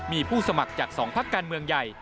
มีผู้สมัครจาก๒พักการเมืองใหญ่